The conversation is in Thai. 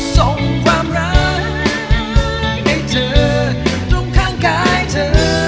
ส่งความรักให้เธอตรงข้างกายเธอ